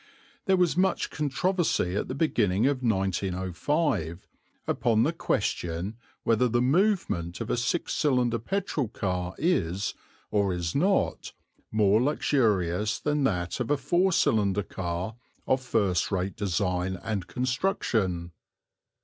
There was much controversy at the beginning of 1905 upon the question whether the movement of a six cylinder petrol car is, or is not, more luxurious than that of a four cylinder car of first rate design and construction.